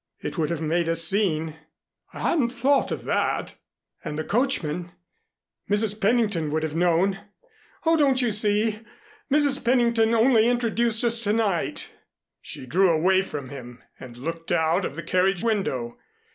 "It would have made a scene." "I hadn't thought of that." "And the coachman Mrs. Pennington would have known. Oh, don't you see? Mrs. Pennington only introduced us to night " She drew away from him and looked out of the carriage window.